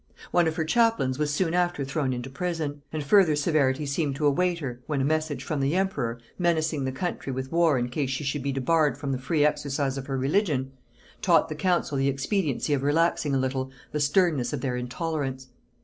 One of her chaplains was soon after thrown into prison; and further severities seemed to await her, when a message from the emperor, menacing the country with war in case she should be debarred from the free exercise of her religion, taught the council the expediency of relaxing a little the sternness of their intolerance.